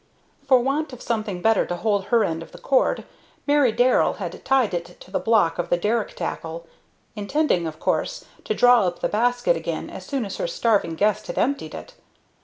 For want of something better to hold her end of the cord, Mary Darrell had tied it to the block of the derrick tackle, intending, of course, to draw up the basket again as soon as her starving guest had emptied it.